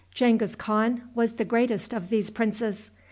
Genghis Khan was the greatest of these princes.